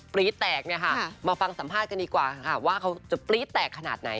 รี๊ดแตกเนี่ยค่ะมาฟังสัมภาษณ์กันดีกว่าค่ะว่าเขาจะปรี๊ดแตกขนาดไหน